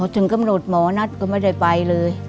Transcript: ถึงกำหนดหมอนัทก็ไม่ได้ไปเลย